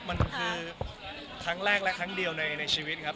มันคือครั้งแรกและครั้งเดียวในชีวิตครับ